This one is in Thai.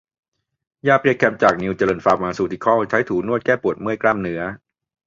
ยาเพลียแคม จากนิวเจริญฟาร์มาซูติคอล ใช้ถูนวดแก้ปวดเมื่อยกล้ามเนื้อ